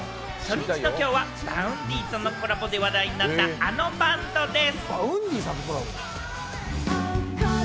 初日のきょうはＶａｕｎｄｙとのコラボで話題になったあのバンドです。